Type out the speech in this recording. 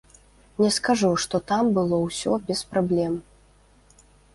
Не скажу, што там было ўсё без праблем.